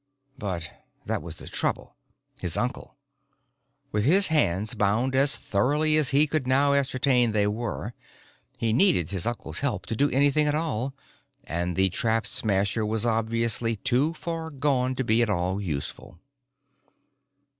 But that was the trouble. His uncle. With his hands bound as thoroughly as he could now ascertain they were, he needed his uncle's help to do anything at all. And the Trap Smasher was obviously too far gone to be at all useful.